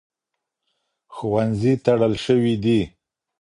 ښوونځي تړل شوي دي.